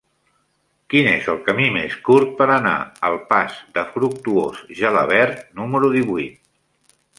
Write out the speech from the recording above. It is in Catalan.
Quin és el camí més curt per anar al pas de Fructuós Gelabert número divuit?